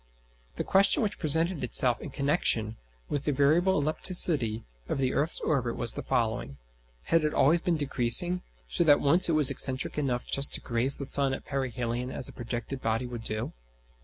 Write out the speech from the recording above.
The question which presented itself in connexion with the variable ellipticity of the earth's orbit was the following: Had it always been decreasing, so that once it was excentric enough just to graze the sun at perihelion as a projected body would do?